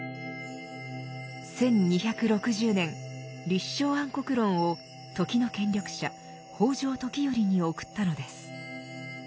１２６０年「立正安国論」を時の権力者北条時頼に送ったのです。